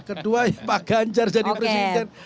kedua ya pak ganjar jadi presiden